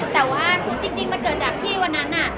แต่ว่าจริงเกิดจากที่วันนั้น